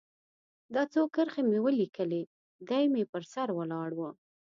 دا څو کرښې مې ولیکلې، دی مې پر سر ولاړ و.